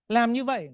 làm như vậy